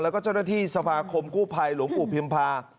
แล้วก็เจ้านัทธิสภาคมกู้ภัยหลวงอู่ปิงแดไป